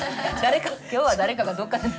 今日は誰かがどっかで泣いてる。